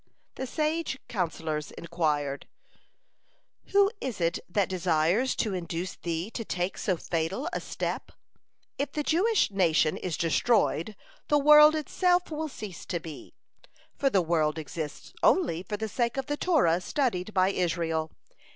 The sage councillors inquired: "Who is it that desires to induce thee to take so fatal a step? If the Jewish nation is destroyed, the world itself will cease to be, for the world exists only for the sake of the Torah studied by Israel.